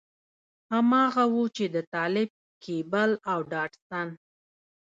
هماغه و چې د طالب کېبل او ډاټسن.